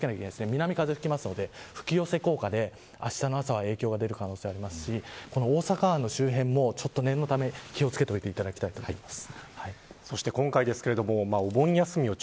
南風が吹くので吹き寄せ効果であしたの朝は影響が出る可能性がありますし大阪湾の周辺も、念のため気を付けておいていただきたいと思います。